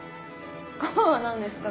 皮は何ですか？